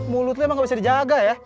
mulut lu emang gak bisa dijaga ya